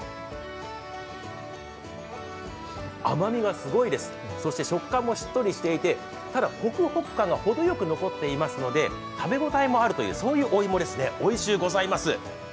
甘みがすごいです、そして食感もしっとりしていてただ、ホクホク感がほどよく残っていますので食べ応えもあるというお芋ですね、おいしゅうございます。